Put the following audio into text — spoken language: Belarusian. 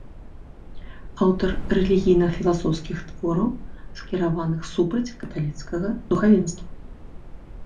Аўтар рэлігійна-філасофскіх твораў, скіраваных супраць каталіцкага духавенства.